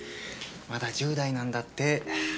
まだ１０代なんだって。